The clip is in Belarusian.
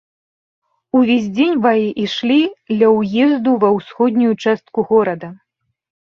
Увесь дзень баі ішлі ля ўезду ва ўсходнюю частку горада.